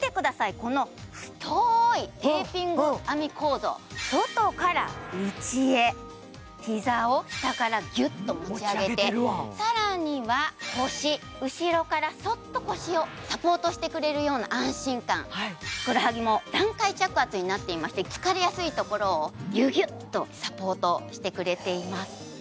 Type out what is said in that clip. この太いテーピング編み構造外から内へ膝を下からギュッと持ち上げてさらには腰後ろからそっと腰をサポートしてくれるような安心感ふくらはぎも段階着圧になっていまして疲れやすいところをギュギュッとサポートしてくれています